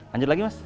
lanjut lagi mas